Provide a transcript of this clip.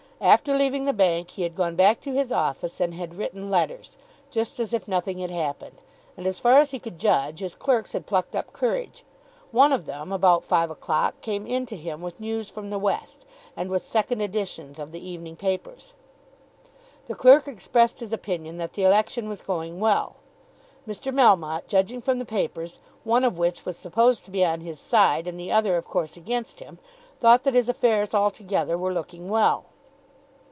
After leaving the bank he had gone back to his office, and had written letters, just as if nothing had happened; and, as far as he could judge, his clerks had plucked up courage. One of them, about five o'clock, came into him with news from the west, and with second editions of the evening papers. The clerk expressed his opinion that the election was going well. Mr. Melmotte, judging from the papers, one of which was supposed to be on his side and the other of course against him, thought that his affairs altogether were looking well.